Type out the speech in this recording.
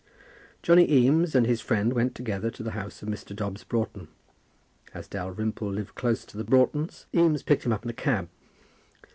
Johnny Eames and his friend went together to the house of Mr. Dobbs Broughton. As Dalrymple lived close to the Broughtons, Eames picked him up in a cab.